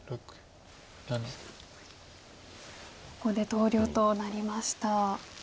ここで投了となりました。